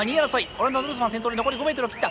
オランダのドルスマンを先頭に残り５ｍを切った。